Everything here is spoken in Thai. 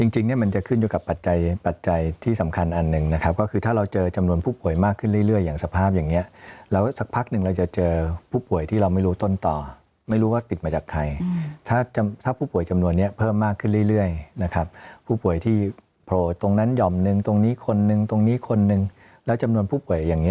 จริงเนี่ยมันจะขึ้นอยู่กับปัจจัยที่สำคัญอันหนึ่งนะครับก็คือถ้าเราเจอจำนวนผู้ป่วยมากขึ้นเรื่อยอย่างสภาพอย่างนี้แล้วสักพักหนึ่งเราจะเจอผู้ป่วยที่เราไม่รู้ต้นต่อไม่รู้ว่าติดมาจากใครถ้าผู้ป่วยจำนวนนี้เพิ่มมากขึ้นเรื่อยนะครับผู้ป่วยที่โผล่ตรงนั้นหย่อมนึงตรงนี้คนนึงตรงนี้คนนึงแล้วจำนวนผู้ป่วยอย่างนี้